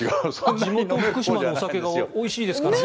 地元・福島のお酒はおいしいですからね。